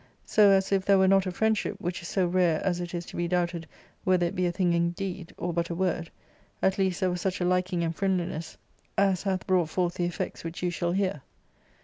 ; so as if there were not a friendship— which is so rare as it is to be' ''.oubted whether.it bealEmg indeed, or but a word — ^at least there was such' a liking and friendliness as hath brought 26 ARCADIA.Sook L forth the effects which you shall hear.